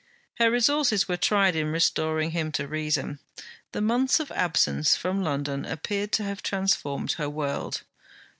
Her resources were tried in restoring him to reason. The months of absence from London appeared to have transformed her world.